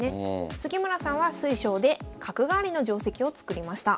杉村さんは水匠で角換わりの定跡を作りました。